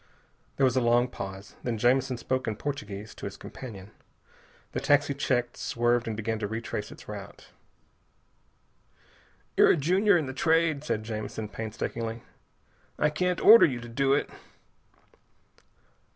There was a long pause. Then Jamison spoke in Portuguese to his companion. The taxi checked, swerved, and began to retrace its route. "You're a junior in the Trade," said Jamison painstakingly. "I can't order you to do it."